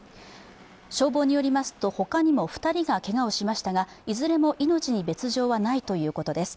消防によりますと、他にも２人がけがをしましたが、いずれも命に別状はないということです。